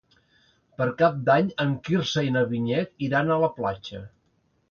Per Cap d'Any en Quirze i na Vinyet iran a la platja.